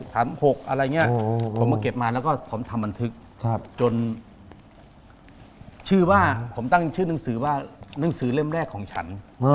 อะไรอย่างนี้ผมมาเก็บมาแล้วก็ผมทำบันทึกจนชื่อว่าผมตั้งชื่อหนังสือว่าหนังสือเล่มแรกของฉัน